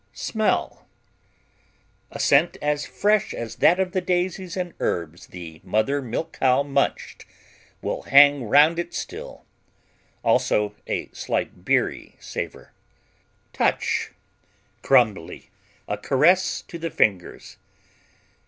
smell: A scent as fresh as that of the daisies and herbs the mother milk cow munched "will hang round it still." Also a slight beery savor. touch: Crumbly a caress to the fingers.